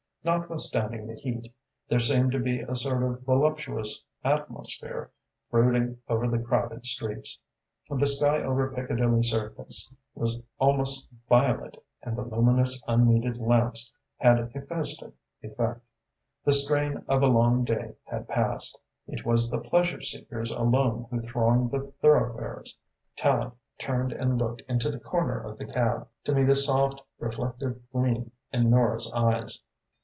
Notwithstanding the heat, there seemed to be a sort of voluptuous atmosphere brooding over the crowded streets. The sky over Piccadilly Circus was almost violet and the luminous, unneeded lamps had a festive effect. The strain of a long day had passed. It was the pleasure seekers alone who thronged the thoroughfares. Tallente turned and looked into the corner of the cab, to meet a soft, reflective gleam in Nora's eyes.